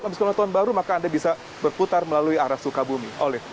nanti ke arah tahun baru maka anda bisa berputar melalui arah sukabumi